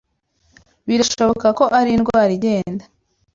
Birashoboka ko ari indwara igenda.